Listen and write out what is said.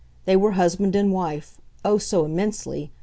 They were husband and wife oh, so immensely!